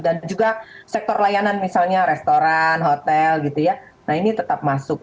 dan juga sektor layanan misalnya restoran hotel gitu ya nah ini tetap masuk